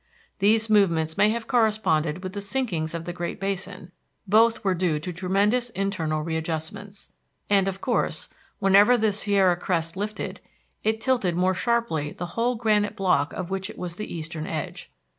These movements may have corresponded with the sinkings of the Great Basin; both were due to tremendous internal readjustments. And of course, whenever the Sierra crest lifted, it tilted more sharply the whole granite block of which it was the eastern edge.